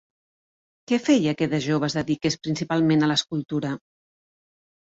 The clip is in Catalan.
Què feia que de jove es dediqués principalment a l'escultura?